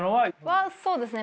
そうですね